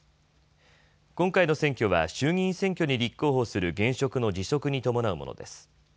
今回の選挙は衆議院選挙に立候補する現職の辞職に伴うものです。